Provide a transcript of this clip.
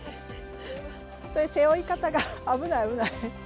それ背負い方が危ない危ない。